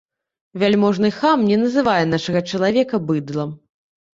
Вяльможны хам не называе нашага чалавека быдлам.